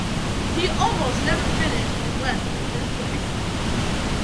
He almost never finished in less than first place.